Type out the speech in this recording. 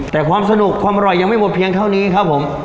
แต่ความสนุกความอร่อยยังไม่หมดเพียงเท่านี้ครับผม